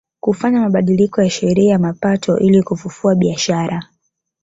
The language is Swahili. Kufanya mabadiliko ya sheria ya mapato ili kufufua biashara